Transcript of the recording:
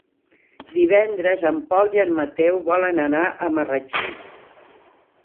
Divendres en Pol i en Mateu volen anar a Marratxí.